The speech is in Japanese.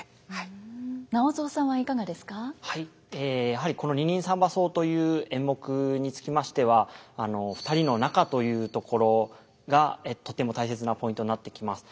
やはりこの「二人三番叟」という演目につきましては「二人の仲」というところがとても大切なポイントになってきます。